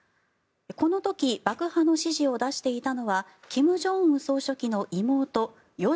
この時爆破の指示を出していたのは金正恩総書記の妹与